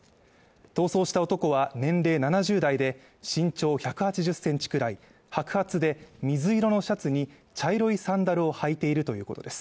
逃走した男は年齢７０代で身長１８０センチくらい、白髪で水色のシャツに茶色いサンダルを履いているということです。